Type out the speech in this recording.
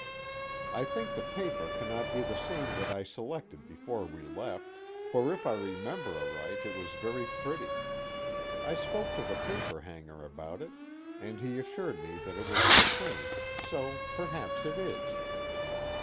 I think the paper cannot be the same that I selected before we left, for if I remember alright it was very pretty. I spoke to the paper hanger about it, and he assured me that it was the same, so perhaps it is.